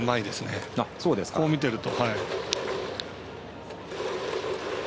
こう見てると。